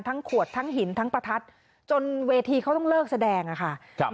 ขวดทั้งหินทั้งประทัดจนเวทีเขาต้องเลิกแสดงอะค่ะ